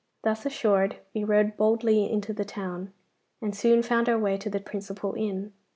Thus assured we rode boldly into the town, and soon found our way to the principal inn.